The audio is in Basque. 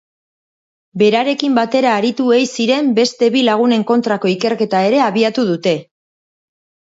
Berarekin batera aritu ei ziren beste bi lagunen kontrako ikerketa ere abiatu dute.